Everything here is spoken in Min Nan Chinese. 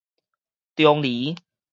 中離